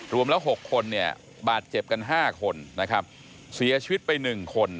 รวมแล้ว๖คนเนี่ยบาดเจ็บกัน๕คนนะครับเสียชีวิตไป๑คน